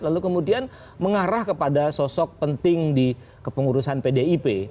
lalu kemudian mengarah kepada sosok penting di kepengurusan pdip